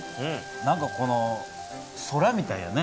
何かこの空みたいやね。